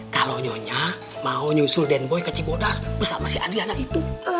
kalau nyonya mau nyusul dan boy ke cibodas bersama si adriana itu